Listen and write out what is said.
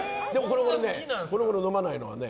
このごろ飲まないのはね